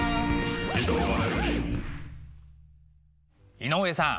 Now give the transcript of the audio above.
井上さん。